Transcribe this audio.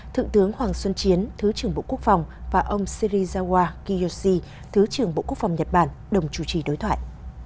thượng tướng hoàng xuân chiến thứ trưởng bộ quốc phòng và ông serizawa kiyoshi thứ trưởng bộ quốc phòng nhật bản đồng chủ trì đối thoại